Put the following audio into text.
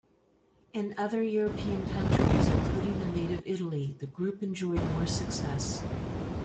In other European countries, including their native Italy, the group enjoyed more success.